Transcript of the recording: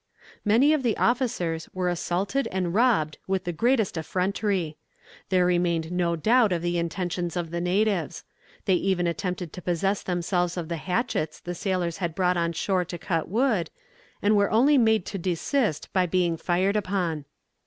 Many of the officers were assaulted and robbed with the greatest effrontery. There remained no doubt of the intentions of the natives. They even attempted to possess themselves of the hatchets the sailors had brought on shore to cut wood, and were only made to desist by being fired upon.